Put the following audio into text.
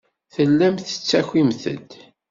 Tellamt tettakimt-d.